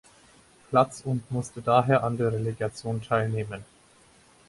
Platz und musste daher an der Relegation teilnehmen.